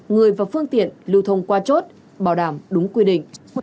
người và phương tiện lưu thông qua chốt bảo đảm đúng quy định